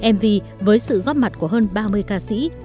mv với sự góp mặt của hơn ba mươi ca sĩ